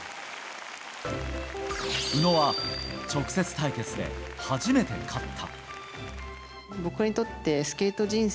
宇野は直接対決で初めて勝った。